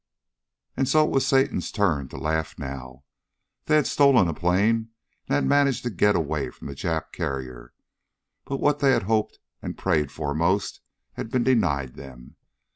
And so it was Satan's turn to laugh now. They had stolen a plane, and had managed to get away from the Jap carrier, but what they had hoped and prayed for most had been denied them.